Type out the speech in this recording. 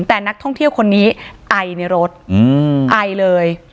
แต่นักท่องเที่ยวคนนี้ไอในรถไอเลย